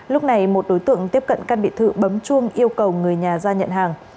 lúc này một đối tượng tiếp cận căn biệt thự bấm chuông yêu cầu người nhà ra nhận hàng